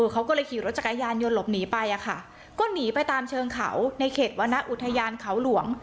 เขาก็เลยขี่รถจักรยานยนต์หลบหนีไปอะค่ะก็หนีไปตามเชิงเขาในเขตวรรณอุทยานเขาหลวง